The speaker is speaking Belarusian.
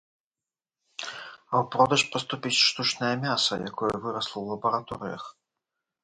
А ў продаж паступіць штучнае мяса, якое вырасла ў лабараторыях.